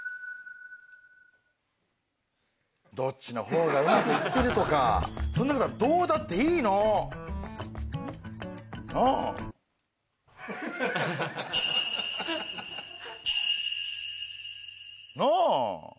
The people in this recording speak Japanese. どっちのほうがうまく行ってるとかそんなことはどうだっていいの。なぁ？なぁ？